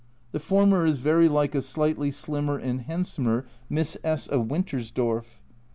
The former is very like a slightly slimmer and handsomer Miss S of Wintersdorf